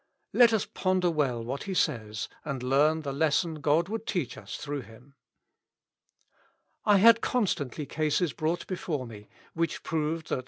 Let us ponder well what he says, and learn the lesson God would teach us through him :—" I had constantly cases brought before me, which proved that 271 Notes.